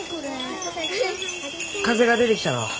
風が出てきたのう。